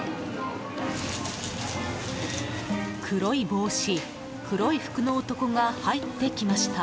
黒い帽子、黒い服の男が入ってきました。